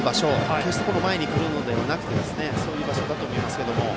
決して前に来るのではなくてそういう場所だと思いますけども。